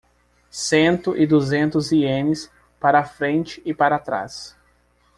Cento e duzentos ienes para frente e para trás